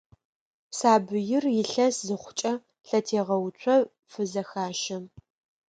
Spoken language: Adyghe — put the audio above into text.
Сабыир илъэс зыхъукӀэ, лъэтегъэуцо фызэхащэ.